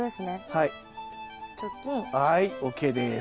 はいＯＫです。